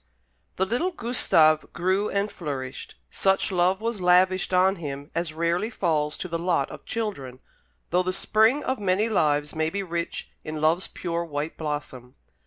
The little Gustave grew and flourished. Such love was lavished on him as rarely falls to the lot of children, though the spring of many lives may be rich in love's pure white blossom.